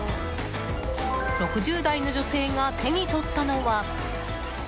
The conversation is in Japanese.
６０代の女性が手に取ったのは。